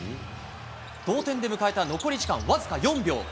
同点で迎えた残り時間僅か４秒。